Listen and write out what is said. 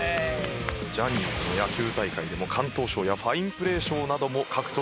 ジャニーズの野球大会でも敢闘賞やファインプレー賞なども獲得してきました。